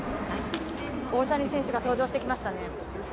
大谷選手が登場してきましたね。